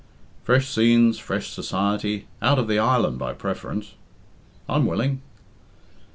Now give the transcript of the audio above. "Fresh scenes, fresh society; out of the island, by preference." "I'm willing."